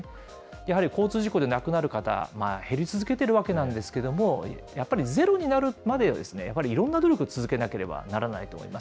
やはり交通事故で亡くなる方、減り続けているわけなんですけれども、やっぱりゼロになるまでは、やはりいろんな努力続けなければならないと思います。